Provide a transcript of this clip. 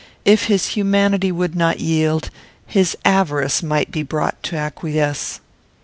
If his humanity would not yield, his avarice might be brought to acquiesce."